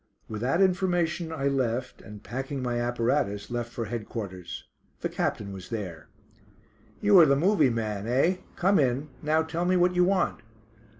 With that information I left, and packing my apparatus left for Headquarters. The captain was there. "You are the 'movie' man, eh? Come in. Now tell me what you want."